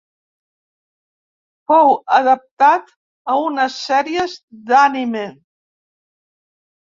Fou adaptat a unes sèries d'anime.